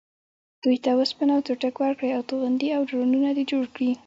دوی ته وسپنه و څټک ورکړې او توغندي او ډرونونه دې جوړ کړي.